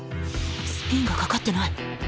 スピンがかかってない。